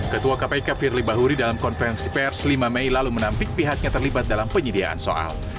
ketua kpk firly bahuri dalam konferensi pers lima mei lalu menampik pihaknya terlibat dalam penyediaan soal